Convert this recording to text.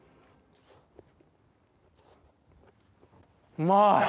うまい！